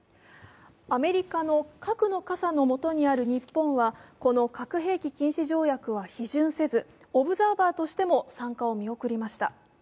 アメリカの核の傘のもとにある日本は、この核兵器禁止条約は批准せずオブザーバーとしても参加を見送りました。